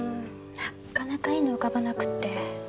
なかなかいいの浮かばなくって。